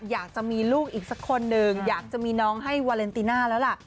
อยากจะมีลูกอีกสักคนหนึ่งอยากจะมีน้องให้วาเลนติน่าแล้วล่ะ